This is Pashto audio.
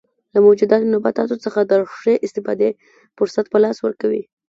له موجوده نباتاتو څخه د ښې استفادې فرصت په لاس ورکوي.